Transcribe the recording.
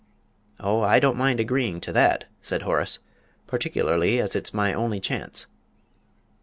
"Oh, I don't mind agreeing to that," said Horace, "particularly as it's my only chance."